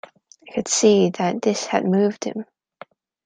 I could see that this had moved him.